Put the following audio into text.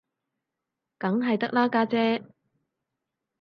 梗係得啦，家姐